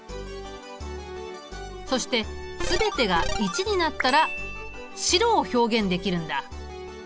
そして全てが１になったら白を表現できるんだ。